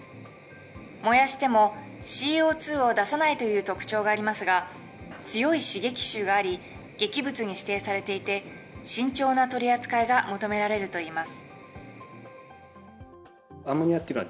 燃やしてもＣＯ２を出さないという特徴がありますが、強い刺激臭があり、劇物に指定されていて、慎重な取り扱いが求められるといいます。